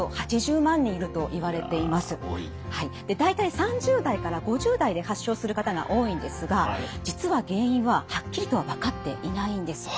で大体３０代から５０代で発症する方が多いんですが実は原因ははっきりとは分かっていないんです。